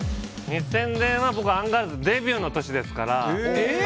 ２０００年は僕アンガールズデビューの年ですから。